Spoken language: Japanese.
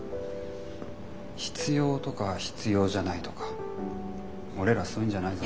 必要とか必要じゃないとか俺らそういうんじゃないぞ。